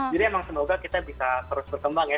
jadi emang semoga kita bisa terus berkembang ya